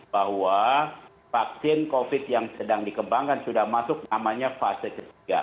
bahwa vaksin covid yang sedang dikembangkan sudah masuk namanya fase ketiga